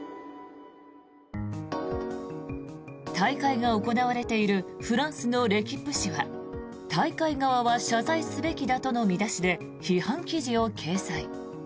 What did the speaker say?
大会が行われているフランスのレキップ紙は大会側は謝罪すべきだとの見出しで、批判記事を掲載。